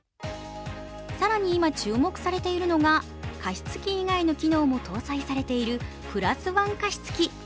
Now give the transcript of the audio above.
更に今注目されているのが加湿器以外の機能も搭載されているプラス１加湿器。